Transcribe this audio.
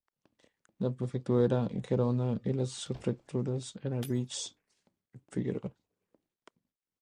La prefectura era Gerona y las subprefecturas eran Vich y Figueras.